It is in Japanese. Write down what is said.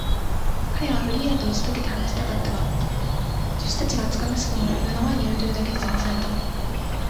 彼はフリーダとうちとけて話したかったが、助手たちが厚かましくも目の前にいるというだけで、じゃまされた。